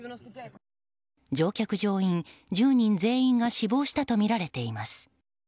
乗客・乗員１０人全員が死亡したとみられています。